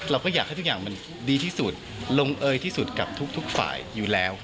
เราก็อยากให้ทุกอย่างมันดีที่สุดลงเอยที่สุดกับทุกฝ่ายอยู่แล้ว